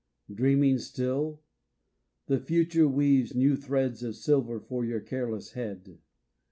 dreaming still ? The future weaves New threads of silver for your careless head.